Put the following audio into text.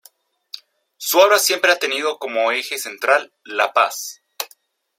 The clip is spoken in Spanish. Su obra siempre ha tenido como eje central La Paz.